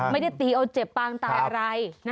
ไม่ได้ตีเอาเจ็บปางตายอะไร